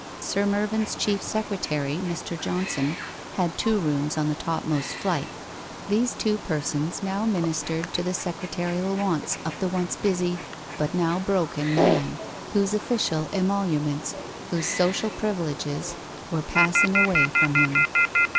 Sir Mervyn's chief secretary, Mr. Johnson, had two rooms on the topmost flight. These two 26 WHITE ROSE OF WEARY LEAF 27 persons now ministered to the secretarial wants of the once busy, but now broken man, whose official emolu ments, whose social privileges were passing away from him.